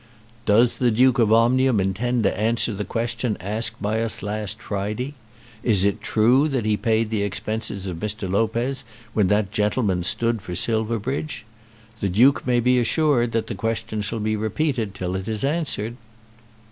"Does the Duke of Omnium intend to answer the question asked by us last Friday? Is it true that he paid the expenses of Mr. Lopez when that gentleman stood for Silverbridge? The Duke may be assured that the question shall be repeated till it is answered."